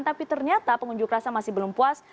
tapi ternyata pengunjuk rasa masih belum puas